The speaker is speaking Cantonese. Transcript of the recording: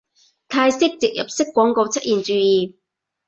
泰式植入式廣告出現注意